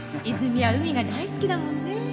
泉は海が大好きだもんね。